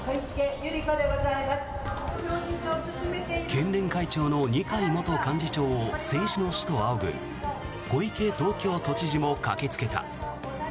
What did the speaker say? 県連会長の二階元幹事長を政治の師と仰ぐ小池東京都知事も駆けつけた。